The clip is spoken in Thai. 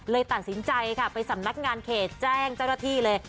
ตัดสินใจค่ะไปสำนักงานเขตแจ้งเจ้าหน้าที่เลย